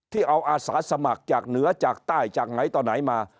ที่เอาอาสาสมัครจากเหนือจากใต้จากไหนต่อไหนมา